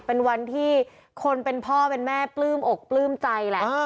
เป็นวันที่คนเป็นพ่อเป็นแม่ปลื้มอกปลื้มใจแหละ